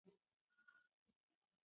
ټولنپوهنه د کورنیو اړیکو مطالعه هم کوي.